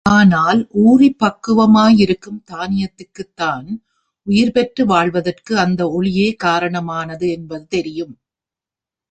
ஆனால், ஊறிப் பக்குவமா யிருக்கும் தானியத்திற்குத் தான் உயிர்பெற்று வாழ்வதற்கு அந்த ஒளியே காரணமானது என்பது தெரியும்.